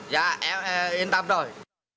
dạ em yên tâm rồi